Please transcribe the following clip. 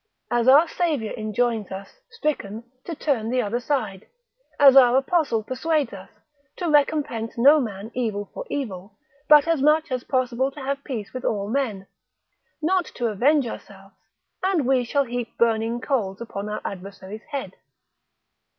as our Saviour enjoins us, stricken, to turn the other side: as our Apostle persuades us, to recompense no man evil for evil, but as much as is possible to have peace with all men: not to avenge ourselves, and we shall heap burning coals upon our adversary's head.